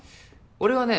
俺はね